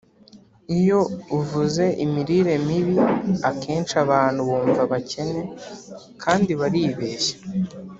iyo uvuze imirire mibi, akenshi abantu bumva abakene kandi baribeshya